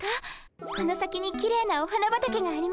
この先にきれいなお花畑があります。